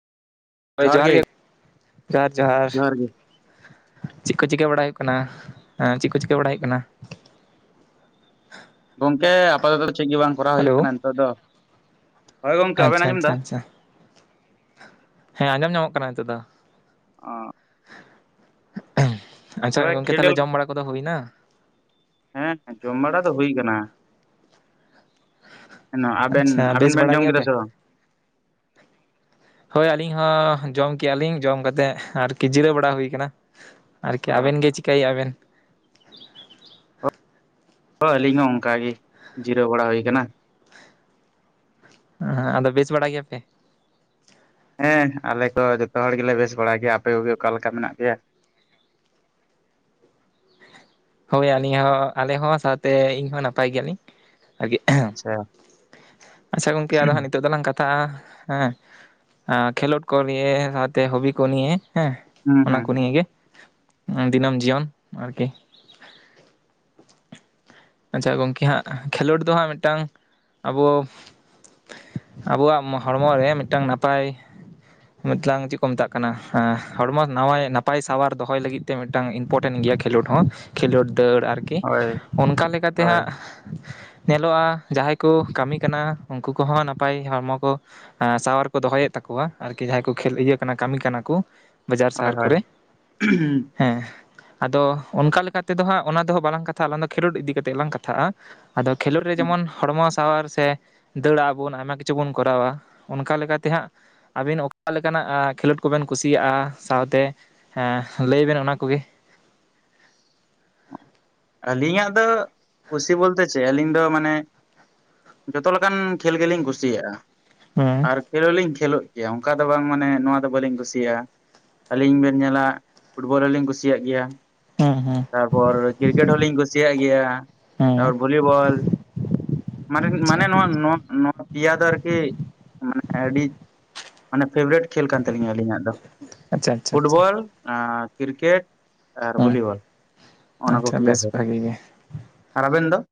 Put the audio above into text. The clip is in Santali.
ᱦᱳᱭ ᱡᱚᱦᱟᱨ ᱜᱮ ᱡᱚᱦᱟᱨ ᱡᱚᱦᱟᱨ᱾ ᱪᱮᱫ ᱠᱚ ᱪᱤᱠᱟᱹ ᱵᱟᱲᱟᱭ ᱦᱩᱭᱩᱜ ᱠᱟᱱᱟ, ᱮᱸ ᱪᱮᱫ ᱠᱚ ᱪᱤᱠᱟᱹ ᱵᱟᱲᱟᱭ ᱦᱩᱭᱩᱜ ᱠᱟᱱᱟ? ᱜᱚᱝᱠᱮ ᱟᱯᱟᱛᱚᱛᱚ ᱪᱮᱫ ᱜᱮ ᱵᱟᱝ ᱠᱚᱨᱟᱣ ᱦᱩᱭᱩᱜ ᱦᱮᱞᱳ ᱠᱟᱱᱟ ᱱᱤᱛᱚᱜ ᱫᱚ, ᱦᱳᱭ ᱜᱚᱝᱠᱮ ᱵᱟᱵᱮᱱ ᱟᱪᱪᱷᱟ ᱟᱸᱡᱚᱢ ᱟᱪᱪᱷᱟ ᱫᱟ? ᱟᱪᱪᱷᱟ ᱦᱮᱸ ᱟᱸᱡᱚᱢ ᱧᱟᱢᱚᱜ ᱠᱟᱱᱟ ᱦᱤᱛᱚᱜ ᱫᱚ᱾ ᱚ᱾ ᱟᱪᱪᱷᱟ ᱛᱚᱵᱮ ᱜᱚᱝᱠᱮ ᱠᱷᱮᱞ ᱛᱟᱦᱞᱮ ᱡᱚᱢ ᱵᱟᱲᱟ ᱠᱚᱫᱚ ᱦᱩᱭᱱᱟ? ᱦᱮᱸ ᱡᱚᱢ ᱵᱟᱲᱟ ᱫᱚ ᱦᱩᱭ ᱠᱟᱱᱟ᱾ ᱱᱚᱣᱟ ᱟᱵᱮᱱ ᱟᱪᱪᱷᱟ ᱟᱵᱮᱱ ᱵᱮᱥ ᱵᱮᱱ ᱵᱟᱲᱟ ᱡᱚᱢ ᱠᱮᱫᱟ ᱜᱮᱭᱟᱯᱮ? ᱥᱮ ᱵᱟ? ᱦᱳᱭ ᱟᱞᱤᱧ ᱦᱚᱸ ᱡᱚᱢ ᱠᱮᱜ-ᱟ ᱞᱤᱧ ᱡᱚᱢ ᱠᱟᱛᱮᱫ ᱟᱨᱠᱤ ᱡᱤᱨᱟᱹᱣ ᱵᱟᱲᱟ ᱦᱩᱭ ᱠᱟᱱᱟ᱾ ᱟᱨᱠᱤ ᱟᱵᱮᱱ ᱜᱮ ᱪᱤᱠᱟᱹᱭᱮᱜᱼᱟ ᱵᱮᱱ? ᱦᱚ ᱟᱹᱞᱤᱧ ᱦᱚᱸ ᱚᱱᱠᱟ ᱜᱮ ᱡᱤᱨᱟᱹᱣ ᱵᱟᱲᱟ ᱦᱩᱭ ᱠᱟᱱᱟ᱾ ᱦᱟᱸ ᱦᱟᱸ ᱟᱫᱚ ᱵᱮᱥ ᱵᱟᱲᱟ ᱜᱮᱭᱟ ᱯᱮ? ᱦᱮᱸ ᱟᱞᱮ ᱠᱚ ᱡᱚᱛᱚ ᱦᱚᱲ ᱜᱮᱞᱮ ᱵᱮᱥ ᱵᱟᱲᱟ ᱜᱮᱭᱟ, ᱟᱯᱮ ᱠᱚᱜᱮ ᱚᱠᱟ ᱞᱮᱠᱟ ᱢᱮᱱᱟᱜ ᱯᱮᱭᱟ? ᱦᱳᱭ ᱟᱹᱞᱤᱧ ᱦᱚᱸ ᱟᱞᱮ ᱦᱚᱸ ᱥᱟᱶᱛᱮ ᱤᱧ ᱦᱚᱸ ᱱᱟᱯᱟᱭ ᱜᱮᱭᱟ ᱞᱤᱧ᱾ ᱥᱮ [unintelligible] ᱟᱪᱪᱷᱟ ᱜᱚᱝᱠᱮ ᱟᱫᱚ ᱦᱟᱸᱜ ᱱᱤᱛᱚᱜ ᱫᱚᱞᱟᱝ ᱠᱟ ᱛᱷᱟᱜ-ᱟ ᱦᱮᱸ, ᱮᱸ ᱠᱷᱮᱞᱳᱰ ᱠᱚ ᱱᱤᱭᱟᱹ ᱥᱟᱶᱛᱮ ᱦᱚᱵᱤ ᱠᱚ ᱱᱤᱭᱟᱹ ᱦᱮᱸ᱾ ᱦᱩᱸ ᱦᱩᱸ ᱚᱱᱟ ᱠᱚ ᱦᱩᱸ ᱱᱤᱭᱟᱹ ᱜᱮ ᱮᱸ ᱫᱤᱱᱚᱢ ᱡᱤᱭᱚᱱ ᱟᱨᱠᱤ᱾ ᱟᱪᱪᱷᱟ ᱜᱚᱝᱠᱮ ᱦᱟᱸᱜ ᱠᱷᱮᱞᱳᱰ ᱫᱚ ᱦᱟᱸᱜ ᱢᱤᱫᱴᱟᱝ ᱟᱵᱚ ᱟᱵᱚᱣᱟᱜ ᱢᱚ ᱦᱚᱲᱢᱚ ᱨᱮ ᱢᱤᱫᱴᱟᱝ ᱱᱟᱯᱟᱭ ᱢᱤᱫᱞᱟᱝ ᱪᱮᱫ ᱠᱚ ᱢᱮᱛᱟᱜ ᱠᱟᱱᱟ ᱦᱮᱸ ᱦᱚᱲᱢᱚ ᱱᱟᱣᱟᱭ ᱱᱟᱯᱟᱭ ᱥᱟᱶᱟᱨ ᱫᱚᱦᱚᱭ ᱞᱟᱹᱜᱤᱫ ᱛᱮ ᱢᱤᱫᱴᱟᱝ ᱤᱢᱯᱳᱴᱮᱱ ᱜᱮᱭᱟ ᱠᱷᱮᱞᱳᱰ ᱦᱚᱸ ᱠᱷᱮᱞᱳᱰ ᱫᱟᱹᱲ ᱟᱨᱠᱤ ᱦᱳᱭ ᱚᱱᱠᱟ ᱞᱮᱠᱟ ᱛᱮ ᱦᱳᱭ ᱦᱟᱸᱜ᱾ ᱧᱮᱞᱚᱜᱼᱟ ᱡᱟᱦᱟᱸᱭ ᱠᱚ ᱠᱟᱹᱢᱤ ᱠᱟᱱᱟ ᱩᱱᱠᱩ ᱠᱚᱦᱚᱸ ᱱᱟᱯᱟᱭ ᱦᱚᱲᱢᱚ ᱠᱚ ᱮᱸ ᱥᱟᱶᱟᱨ ᱠᱚ ᱫᱚᱦᱚᱭᱮᱫ ᱛᱟᱠᱚᱣᱟ ᱟᱨᱠᱤ ᱡᱟᱦᱟᱸᱭ ᱠᱚ ᱠᱷᱮᱞ ᱤᱭᱟᱹ ᱠᱟᱱᱟ ᱠᱟᱹᱢᱤ ᱠᱟᱱᱟ ᱠᱚ᱾ ᱵᱟᱡᱟᱨ ᱦᱳᱭ ᱥᱟᱦᱟᱨ ᱦᱳᱭ ᱠᱚᱨᱮ᱾ ᱦᱮᱸ, ᱟᱫᱚ ᱚᱱᱠᱟ ᱞᱮᱠᱟ ᱛᱮᱫᱚ ᱦᱟᱸᱜ ᱚᱱᱟ ᱫᱚ ᱵᱟᱞᱟᱝ ᱠᱟᱛᱷᱟᱜᱼᱟ ᱟᱞᱟᱝ ᱫᱚ ᱠᱷᱮᱞᱳᱰ ᱤᱫᱤ ᱠᱟ ᱠᱟᱛᱮᱫ ᱞᱟᱝ ᱠᱟᱛᱷᱟᱜᱼᱟ᱾ ᱟᱫᱚ ᱠᱷᱮᱞᱳᱰ ᱨᱮ ᱡᱮᱢᱚᱱ ᱦᱚᱲᱢᱚᱥ ᱥᱟᱶᱟᱨ ᱥᱮ ᱫᱟᱹᱲᱟᱜ-ᱟ ᱵᱚᱱ ᱟᱭᱢᱟ ᱠᱤᱪᱷᱩ ᱵᱚᱱ ᱠᱚᱨᱟᱣᱟ, ᱚᱱᱠᱟ ᱞᱮᱠᱟ ᱛᱮ ᱦᱟᱸᱜ ᱟᱹᱵᱤᱱ ᱚᱠᱟ ᱞᱮᱠᱟᱱᱟᱜ ᱟ ᱠᱷᱮᱞᱳᱰ ᱠᱚᱵᱮᱱ ᱠᱩᱥᱤᱭᱟᱜᱼᱟ ᱥᱟᱶᱛᱮ ᱦᱮᱸ ᱞᱟᱹᱭ ᱵᱮᱱ ᱚᱱᱟ ᱠᱚᱜᱮ᱾ ᱟᱹᱞᱤᱧᱟᱜ ᱫᱚ ᱠᱩᱥᱤ ᱵᱚᱞᱛᱮ ᱪᱮᱫ ᱟᱹᱞᱤᱧ ᱫᱚ ᱢᱟᱱᱮ ᱡᱚᱛᱚ ᱞᱮᱠᱟᱱ ᱠᱷᱮᱞ ᱜᱮᱞᱤᱧ ᱠᱩᱥᱤᱭᱟᱜᱼᱟ ᱦᱩᱸ ᱟᱨ ᱠᱷᱮᱞ ᱦᱚᱸᱞᱤᱧ ᱠᱷᱮᱞᱳᱜ ᱜᱮᱭᱟ ᱚᱱᱠᱟ ᱫᱚ ᱵᱟᱝ ᱢᱟᱱᱮ ᱱᱚᱣᱟ ᱫᱚ ᱵᱟᱹᱞᱤᱧ ᱠᱩᱥᱤᱭᱟᱜᱼᱟ᱾ ᱟᱹᱞᱤᱧ ᱵᱮᱱ ᱧᱮᱞᱟ ᱯᱷᱩᱴᱵᱚᱞ ᱦᱚᱞᱤᱧ ᱠᱩᱥᱤᱭᱟᱜ ᱜᱮᱭᱟ᱾ ᱦᱩᱸ ᱦᱩᱸ ᱛᱟᱨᱯᱚᱨ ᱠᱨᱤᱠᱮᱴ ᱦᱚᱞᱤᱧ ᱠᱩᱥᱤᱭᱟᱜ ᱜᱮᱭᱟ ᱦᱩᱸ ᱛᱟᱨᱯᱚᱨ ᱵᱷᱚᱞᱤᱵᱚᱞ᱾ ᱢᱟᱱᱮ ᱟᱪᱪᱷᱟ ᱢᱟᱱᱮ ᱱᱚᱣᱟ ᱱᱚᱣᱟ ᱱᱚᱣᱟ ᱯᱮᱭᱟ ᱫᱚ ᱟᱨᱠᱤ ᱢᱟᱱᱮ ᱟᱹᱰᱤ ᱢᱟᱱᱮ ᱯᱷᱮᱵᱟᱨᱮᱴ ᱠᱷᱮᱞ ᱠᱟᱱ ᱛᱟᱹᱤᱧᱟ ᱟᱹᱞᱤᱧᱟᱜ ᱫᱚ᱾ ᱟᱪᱪᱷᱟ ᱟᱪᱪᱷᱟ ᱟᱪᱪᱷᱟ ᱯᱷᱩᱴᱵᱚᱞ ᱟ ᱠᱨᱤᱠᱮᱴ ᱟᱨ ᱦᱩᱸ ᱵᱷᱚᱞᱤᱵᱚᱞ᱾ ᱚᱱᱟ ᱠᱚ ᱟᱪᱪᱷᱟ ᱯᱮᱭᱟ ᱵᱮᱥ ᱠᱷᱮ, ᱵᱷᱟᱜᱤ ᱜᱮ ᱟᱨ ᱟᱵᱮᱱ ᱫᱚ?